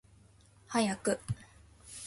早く